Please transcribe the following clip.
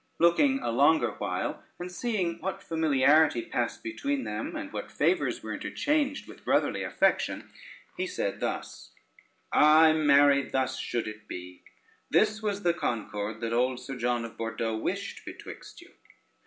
Looking a longer while, and seeing what familiarity passed between them, and what favors were interchanged with brotherly affection, he said thus: "Aye, marry, thus should it be; this was the concord that old Sir John of Bordeaux wished betwixt you.